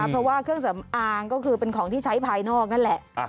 เพราะว่าเครื่องสำอางก็คือเป็นของที่ใช้ภายนอกนั่นแหละ